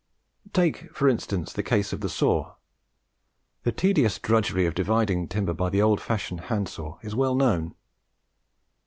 Take, for instance, the case of the Saw. The tedious drudgery of dividing timber by the old fashioned hand saw is well known.